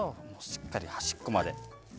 しっかり端っこまで。